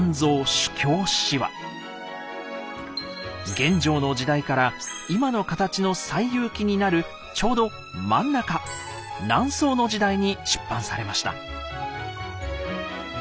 玄奘の時代から今の形の「西遊記」になるちょうど真ん中南宋の時代に出版されました。